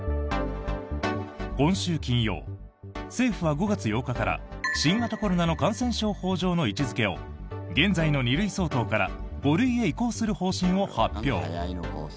今週金曜、政府は５月８日から新型コロナの感染症法上の位置付けを現在の２類相当から５類へ移行する方針を発表。